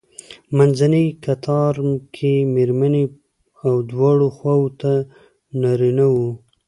منځنی کتار کې مېرمنې او دواړو خواوو ته نارینه وو.